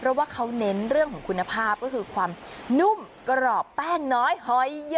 เพราะว่าเขาเน้นเรื่องของคุณภาพก็คือความนุ่มกรอบแป้งน้อยหอยเยอะ